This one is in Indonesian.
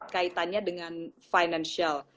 kaitannya dengan financial